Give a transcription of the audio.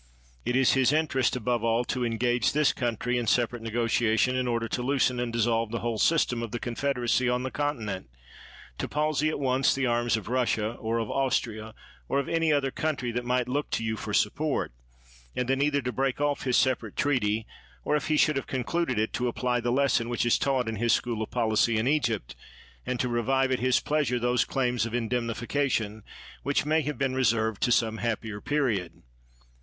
It is his interest, above all, to engage this country in separate negotia tion in order to loosen and dissolve the whole system of the confederacy on the Continent, to palsy at once the arms of Russia, or of Austria, or of any other country that might look to you for support; and then either to break off his separate treaty, or, if he should have concluded it, to apply the lesson which is taught in his school of policy in Egj^pt, and to revive at his pleasure those claims of indemnification which may have been reserved to some happier period.